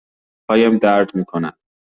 پایم درد می کند.